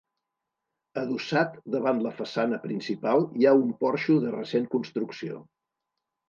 Adossat davant la façana principal hi ha un porxo de recent construcció.